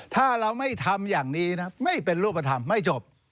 ถ้าเราไม่ทำอย่างนี้นะไม่เป็นรูปธรรมไม่จบ